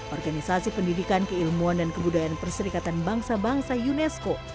organisasi pendidikan keilmuan dan kebudayaan perserikatan bangsa bangsa unesco